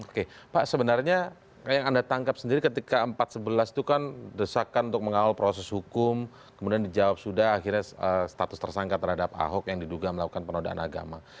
oke pak sebenarnya yang anda tangkap sendiri ketika empat sebelas itu kan desakan untuk mengawal proses hukum kemudian dijawab sudah akhirnya status tersangka terhadap ahok yang diduga melakukan penodaan agama